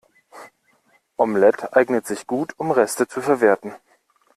Omelette eignet sich gut, um Reste zu verwerten.